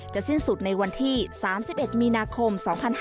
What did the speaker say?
สิ้นสุดในวันที่๓๑มีนาคม๒๕๕๙